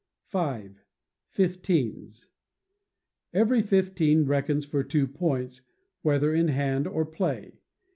v. Fifteens. Every fifteen reckons for two points, whether in hand or play.